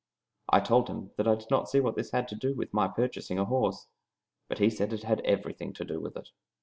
I told him I did not see what that had to do with my purchasing a horse, but he said it had everything to do with it.